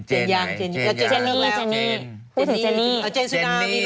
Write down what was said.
เจนนี่เจนนี่